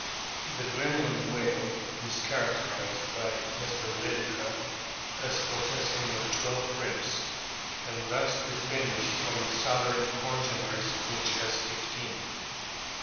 The Greenland whale is characterised by Mr. Lydekker as possessing but twelve ribs, and thus distinguished from its southern cono ener, which has fifteen.